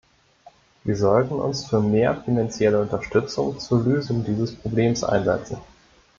Wir sollten uns für mehr finanzielle Unterstützung zur Lösung dieses Problems einsetzen.